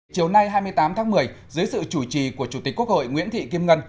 chiều nay hai mươi tám tháng một mươi dưới sự chủ trì của chủ tịch quốc hội nguyễn thị kim ngân